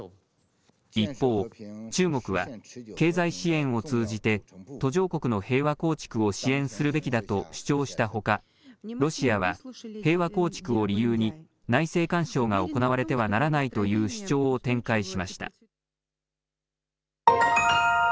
一方、中国は経済支援を通じて、途上国の平和構築を支援するべきだと主張したほか、ロシアは、平和構築を理由に、内政干渉が行われてはならないという主張を展開しました。